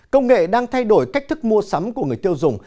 công nghệ đang thay đổi cách thức mua sắm của người tiêu dùng